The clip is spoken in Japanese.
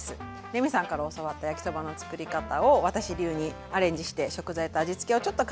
レミさんから教わった焼きそばの作り方を私流にアレンジして食材と味付けをちょっと変えて作りました。